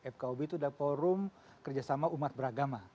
fkub itu ada forum kerjasama umat beragama